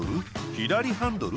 左ハンドル？